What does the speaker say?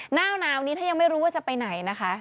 หน้าหนาวนี้ถ้ายังไม่รู้ว่าจะไปไหนนะคะ